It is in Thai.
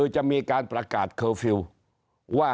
จะมีการประกาศว่า